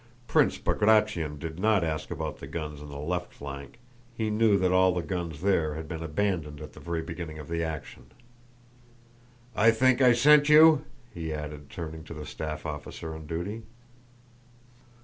(Prince Bagratión did not ask about the guns on the left flank; he knew that all the guns there had been abandoned at the very beginning of the action.) "I think I sent you?" he added, turning to the staff officer on duty.